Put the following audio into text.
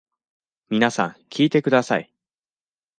皆さん聞いてください。